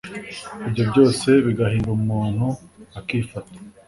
Ibyobyose bigahindura umuntu akifata